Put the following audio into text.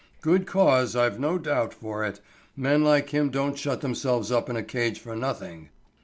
Good cause, I've no doubt, for it. Men like him don't shut themselves up in a cage for nothing."